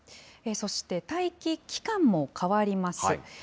そして、待機期間も変わります。